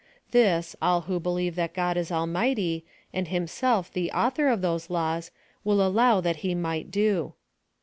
(This, all who believe that God is Al mighty, and Himself the author of those laws, will allow that he niicrht do.)